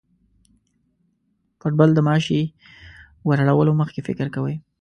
پر بل د ماشې وراړولو مخکې فکر کوي.